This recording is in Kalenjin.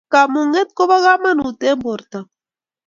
kamunget kopo kamanut eng portongung